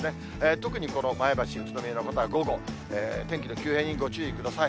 特にこの前橋、宇都宮の方は午後、ご注意ください。